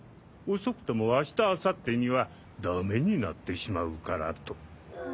遅くとも明日明後日にはダメになってしまうから」と。